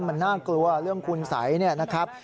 มันน่ากลัวเรื่องคุณสัยเนี่ยนะครับ